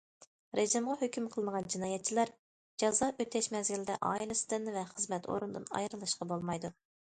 رېجىمغا ھۆكۈم قىلىنغان جىنايەتچىلەر جازا ئۆتەش مەزگىلىدە ئائىلىسىدىن ۋە خىزمەت ئورنىدىن ئايرىلىشقا بولمايدۇ.